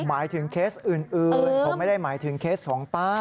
หมายถึงเคสอื่นผมไม่ได้หมายถึงเคสของป้า